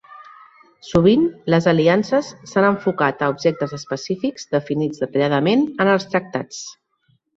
Sovint, les aliances s'han enfocat a objectes específics definits detalladament en els tractats.